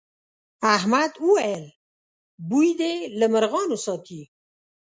احمد وويل: بوی دې له مرغانو ساتي.